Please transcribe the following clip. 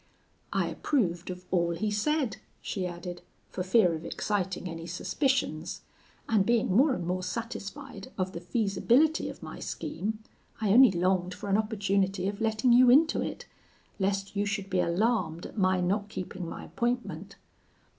"'I approved of all he said,' she added, 'for fear of exciting any suspicions; and being more and more satisfied of the feasibility of my scheme, I only longed for an opportunity of letting you into it, lest you should be alarmed at my not keeping my appointment.